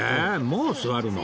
もう座るの？